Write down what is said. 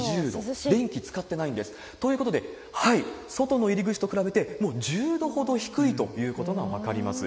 電気使ってないんです。ということで、外の入り口と比べて、もう１０度ほど低いということが分かります。